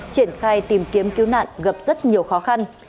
triển khai tìm kiếm cứu nạn gặp rất nhiều khó khăn